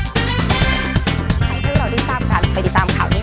ถ้าว่าเราได้ตามการไปติดตามข่าวนี้